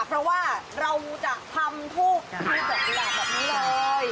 เพราะว่าเราจะทำทุกที่เกี่ยวกันแหละแบบนี้เลย